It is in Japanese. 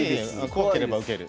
怖ければ受ける。